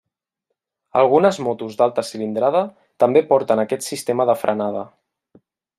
Algunes motos d'alta cilindrada també porten aquest sistema de frenada.